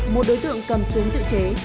một đối tượng cầm súng tự chế